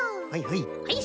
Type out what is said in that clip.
はいはい。